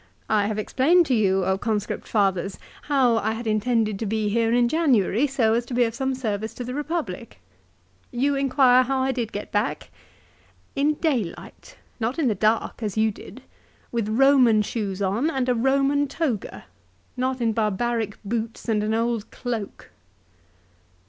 I have explained to you, conscript fathers, how I had intended to be here in January, so as to be THE PHILIPPICS. 24$ of some service to the Eepublic. You inquire how I got back. In daylight; not in the dark, as you did; with Roman shoes on and a Roman toga ; not in barbaric boots and an old cloak."